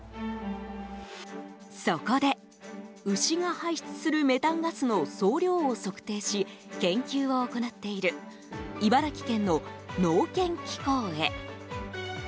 そこで牛が排出するメタンガスの総量を測定し、研究を行っている茨城県の農研機構へ。